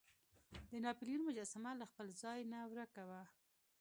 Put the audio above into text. د ناپلیون مجسمه له خپل ځای نه ورک وه.